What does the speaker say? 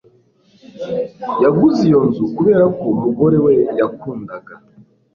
Yaguze iyo nzu kubera ko umugore we yakundaga